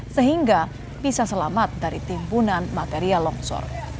sehingga bisa selamat dari timbunan material longsor